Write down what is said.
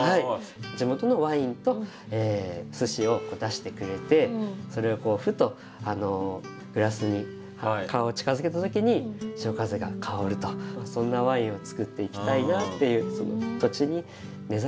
地元のワインとすしを出してくれてそれをふとグラスに顔を近づけた時に潮風が香るとそんなワインをつくっていきたいなっていう。